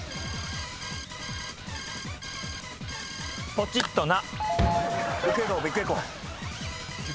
ポチッとな。